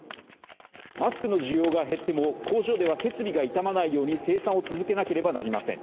マスクの需要が減っても工場では設備が傷まないように生産を続けなければいけません。